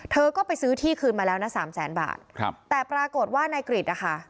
เธอก็ไปซื้อที่คืนมาแล้วนะ๓๐๐๐๐๐บาทแต่ปรากฏว่านายกริตค่ะ